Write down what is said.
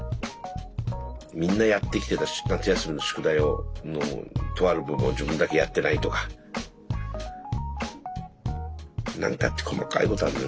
みんなやってきてた夏休みの宿題のとある部分を自分だけやってないとか何かって細かいことあるんだよね。